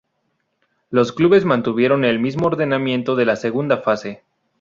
Los clubes mantuvieron el mismo ordenamiento de la segunda fase.